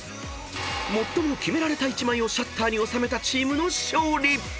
［最もキメられた１枚をシャッターに収めたチームの勝利］